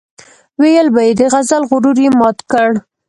ويل به يې د غزل غرور یې مات کړ.